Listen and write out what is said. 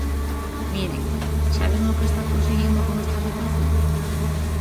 Miren, ¿saben o que están conseguindo con esta situación?